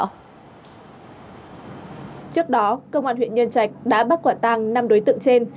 trước đó công an huyện nhân trạch đã bắt quả tăng năm đối tượng trên